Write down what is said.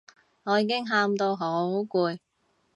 我已經喊到好攰